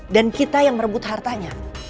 dan kita yang merebut hartanya